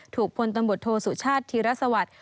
ถูกพลตำบดโทษสุชาติธิรัสสวัสดิ์